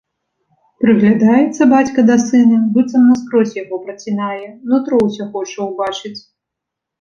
Прыглядаецца бацька да сына, быццам наскрозь яго працінае, нутро ўсё хоча ўбачыць.